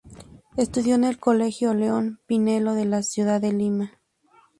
Estudió en el Colegio Leon Pinelo de la ciudad de Lima.